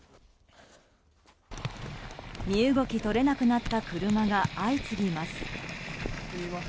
身動き取れなくなった車が相次ぎます。